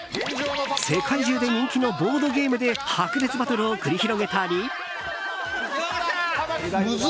世界中で人気のボードゲームで白熱バトルを繰り広げたり。